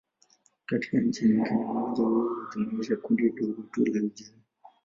Katika nchi nyingine, umoja huu hujumuisha kundi dogo tu la vijana.